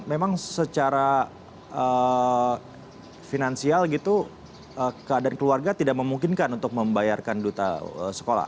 memang secara finansial gitu keadaan keluarga tidak memungkinkan untuk membayarkan duta sekolah